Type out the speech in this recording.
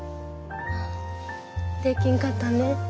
できんかったんね。